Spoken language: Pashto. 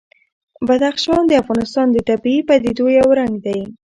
بدخشان د افغانستان د طبیعي پدیدو یو رنګ دی.